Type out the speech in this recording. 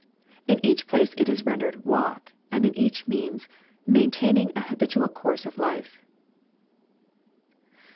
In each place it is rendered " walk," and in each means " maintaining an habitual course of life."